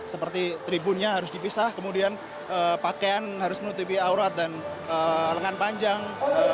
seperti tribunnya harus dipisah kemudian pakaian harus menutupi aurat dan lengan panjang